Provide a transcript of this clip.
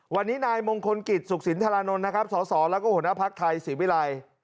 วันนี้นายมงคลกิจสุขสินธารานนท์นะครับสสแล้วก็หัวหน้าภักดิ์ไทยศรีวิรัย